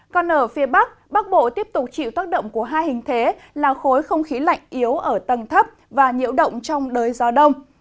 còn ở phía bắc bắc bộ tiếp tục chịu tác động của hai hình thế là khối không khí lạnh yếu ở tầng thấp và nhiễu động trong đới gió đông